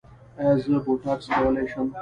ایا زه بوټاکس کولی شم؟